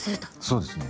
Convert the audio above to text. そうですね。